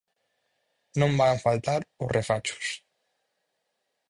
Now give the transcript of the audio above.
Non van faltar os refachos.